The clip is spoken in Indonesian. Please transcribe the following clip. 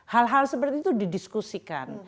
hal hal seperti itu didiskusikan